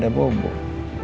disini kamu udah bobo